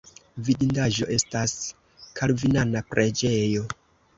Vidindaĵo estas kalvinana preĝejo.